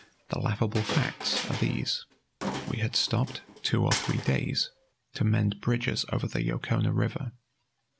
The laughable facts are these: We had stopped two or three days, to mend bridges over the Yocona River.